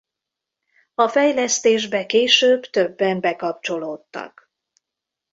A fejlesztésbe később többen bekapcsolódtak.